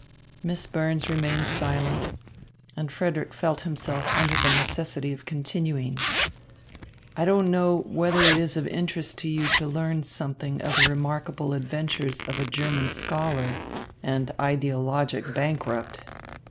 Miss Burns remained silent, and Frederick felt himself under the necessity of continuing. "I don't know whether it is of interest to you to learn something of the remarkable adventures of a German scholar and ideologic bankrupt."